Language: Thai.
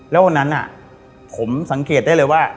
แล้ววันนั้นผมสังเกตได้เลยว่า